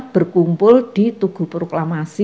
berkumpul di tugu proklamasi